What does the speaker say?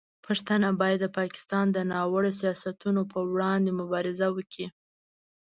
پښتانه باید د پاکستان د ناوړه سیاستونو پر وړاندې مبارزه وکړي.